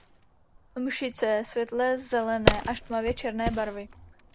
Mšice světle zelené až tmavě černé barvy.